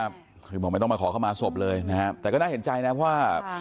คือบอกไม่ต้องมาขอเข้ามาศพเลยนะฮะแต่ก็น่าเห็นใจนะว่า